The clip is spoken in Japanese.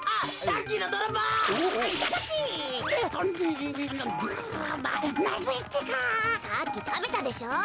さっきたべたでしょう。